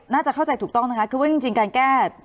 น่าจะเข้าใจถูกต้องนะครับ